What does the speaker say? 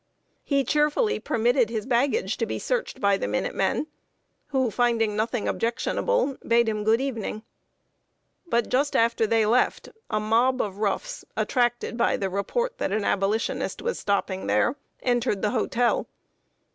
He cheerfully permitted his baggage to be searched by the Minute Men, who, finding nothing objectionable, bade him good evening. But, just after they left, a mob of Roughs, attracted by the report that an Abolitionist was stopping there, entered the hotel.